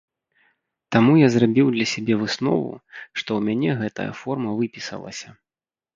Таму я зрабіў для сябе выснову, што ў мяне гэтая форма выпісалася.